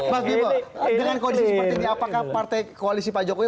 mas bimo dengan kondisi seperti ini apakah partai koalisi pak jokowi